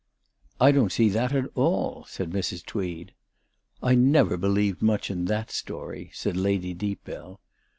" I don't see that at all/' said Mrs. Tweed. "I never believed much in that story," said Lady Deepbell.